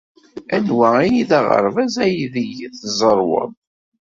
Anwa ay d aɣerbaz aydeg tzerrwed?